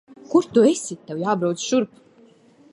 Kur tu esi? Tev jābrauc šurp.